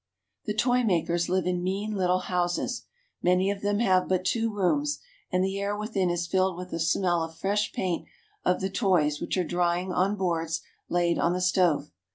The toy makers live in mean little houses. Many of them have but two rooms, and the air within is filled with the smell of the fresh paint of the toys which are drying on boards laid on the stove.